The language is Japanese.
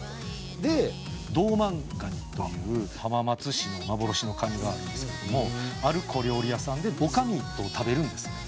でどうまん蟹という浜松市の幻の蟹があるんですけれどもある小料理屋さんで女将と食べるんですね。